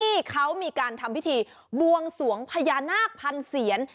ที่เขามีการทำพิธีบวงสวงพญานาคพันเซียน